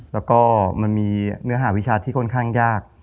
แล้วก็มันมีเนื้อหาวิชาที่ค่อนข้างยาก